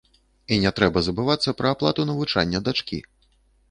І не трэба забывацца пра аплату навучання дачкі.